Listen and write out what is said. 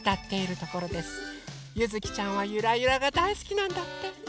ゆずきちゃんは「ゆらゆら」がだいすきなんだって。